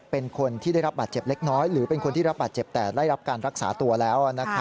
เป็นคนที่ได้รับบาดเจ็บเล็กน้อยหรือเป็นคนที่รับบาดเจ็บแต่ได้รับการรักษาตัวแล้ว